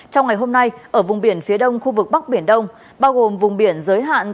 trong ngày hôm nay ở vùng biển phía đông khu vực bắc biển đông bao gồm vùng biển giới hạn